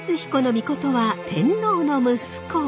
命は天皇の息子！